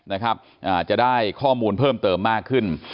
อาจจะได้ข้อมูลเพิ่มเติมมากขึ้น